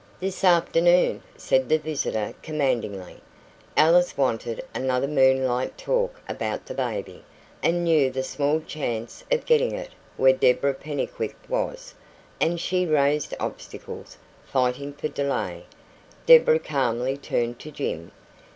"This afternoon," said the visitor commandingly. Alice wanted another moonlight talk about the baby, and knew the small chance of getting it where Deborah Pennycuick was, and she raised obstacles, fighting for delay. Deborah calmly turned to Jim.